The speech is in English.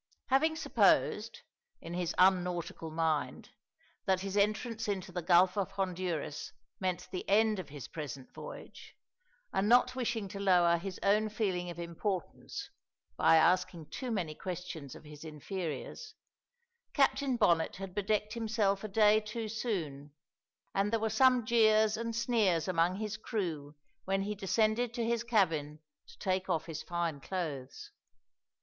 Having supposed, in his unnautical mind, that his entrance into the Gulf of Honduras meant the end of his present voyage, and not wishing to lower his own feeling of importance by asking too many questions of his inferiors, Captain Bonnet had bedecked himself a day too soon, and there were some jeers and sneers among his crew when he descended to his cabin to take off his fine clothes.